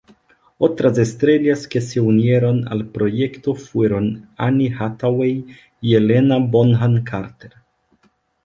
Otras estrellas que se unieron al proyecto fueron Anne Hathaway y Helena Bonham Carter.